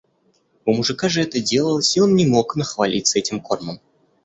У мужика же это делалось, и он не мог нахвалиться этим кормом.